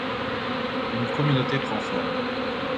Une communauté prend forme.